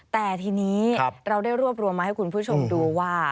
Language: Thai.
แต่ทีนี้เราได้รวบรวมมาให้คุณผู้ชมดูว่า